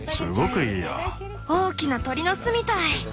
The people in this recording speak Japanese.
大きな鳥の巣みたい。